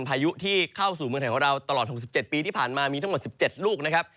พายุที่เข้าสู่เมืองไทยของเราตลอด๖๗ปีที่ผ่านมามีทั้งหมด๑๗ลูกนะครับ